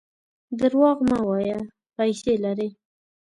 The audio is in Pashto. درواغ مه وایه ! پیسې لرې.